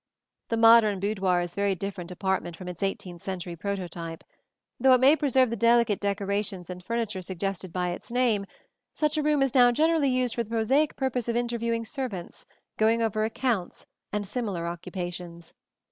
The modern boudoir is a very different apartment from its eighteenth century prototype. Though it may preserve the delicate decorations and furniture suggested by its name, such a room is now generally used for the prosaic purpose of interviewing servants, going over accounts and similar occupations.